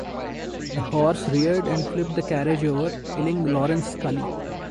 The horse reared and flipped the carriage over, killing Lawrence Scully.